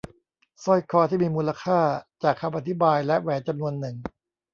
สร้อยคอที่มีมูลค่า จากคำอธิบายและแหวนจำนวนหนึ่ง